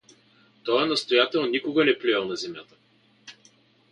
Тоя настоятел никога не плюел на земята.